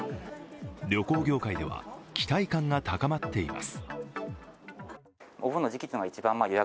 旅行業界では期待感が高まっています。